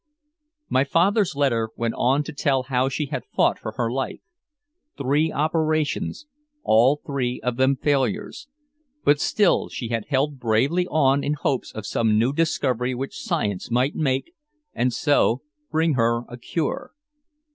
My father's letter went on to tell how she had fought for her life. Three operations, all three of them failures, but still she had held bravely on in hopes of some new discovery which science might make and so bring her a cure.